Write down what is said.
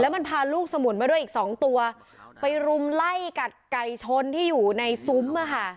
มันพาลูกสมุนมาด้วยอีกสองตัวไปรุมไล่กัดไก่ชนที่อยู่ในซุ้มอ่ะค่ะ